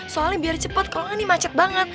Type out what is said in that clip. soalnya biar cepet kalau enggak ini macet banget